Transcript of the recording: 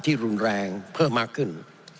รุนแรงเพิ่มมากขึ้น